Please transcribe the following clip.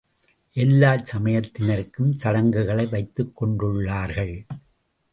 எல்லாச் சமயத்தினரும் சடங்குகளை வைத்துக்கொண்டுள்ளார்கள்.